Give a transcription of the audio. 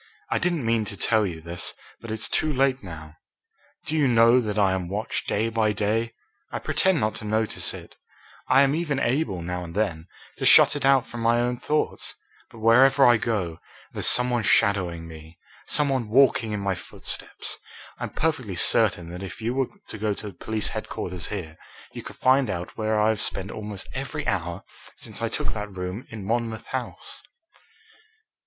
I didn't mean to tell you this, but it's too late now. Do you know that I am watched, day by day? I pretend not to notice it I am even able, now and then, to shut it out from my own thoughts but wherever I go there's some one shadowing me, some one walking in my footsteps. I'm perfectly certain that if you were to go to police headquarters here, you could find out where I have spent almost every hour since I took that room in Monmouth House."